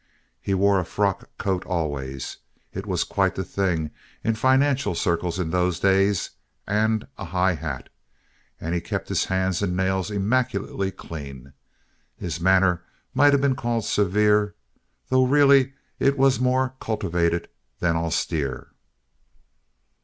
He wore a frock coat always—it was quite the thing in financial circles in those days—and a high hat. And he kept his hands and nails immaculately clean. His manner might have been called severe, though really it was more cultivated than austere.